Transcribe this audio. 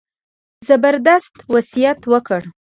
زبردست وصیت وکړ.